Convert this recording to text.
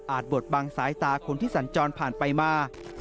จบดบังสายตาคนที่สัญจรผ่านไปมา